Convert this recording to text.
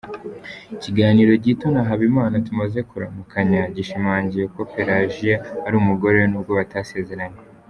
Ikiganiro gito na Habimana tumaze kuramukanya gishimangira ko Pelajiya ari umugore we nubwo batasezeranye.